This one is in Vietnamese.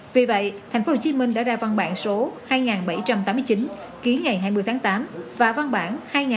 vì vậy tp hcm đã ra văn bản số hai nghìn bảy trăm tám mươi chín ký ngày hai mươi tháng tám và văn bản hai nghìn bảy trăm chín mươi sáu